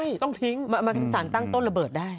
มันเป็นสารตั้งต้นระเบิดได้